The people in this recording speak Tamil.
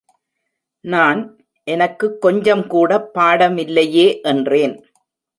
நான், எனக்குக் கொஞ்சம் கூடப் பாடமில்லையே என்றேன்.